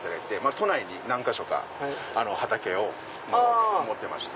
都内に何か所か畑を持ってまして。